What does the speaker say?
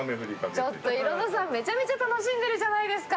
ちょっとヒロドさんめちゃめちゃ楽しんでるじゃないですか！